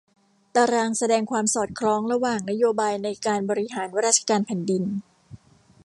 ตารางแสดงความสอดคล้องระหว่างนโยบายในการบริหารราชการแผ่นดิน